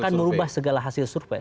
akan merubah segala hasil survei